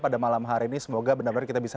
pada malam hari ini semoga benar benar kita bisa